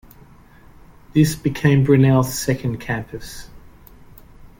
This became Brunel's second campus.